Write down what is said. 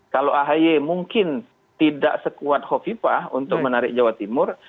kalau ahy mungkin tidak sekuat hovipa untuk menarik jawa timur